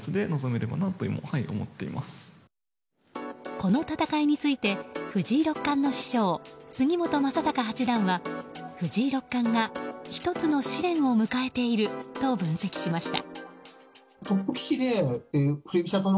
この戦いについて藤井六冠の師匠・杉本昌隆八段は藤井六冠が一つの試練を迎えていると分析しました。